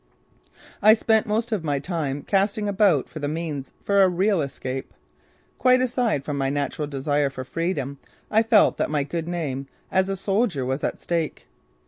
I spent most of my time casting about for the means for a real escape. Quite aside from my natural desire for freedom I felt that my good name as a soldier was at stake.